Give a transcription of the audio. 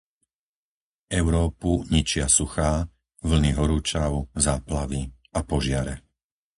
Európu ničia suchá, vlny horúčav, záplavy a požiare.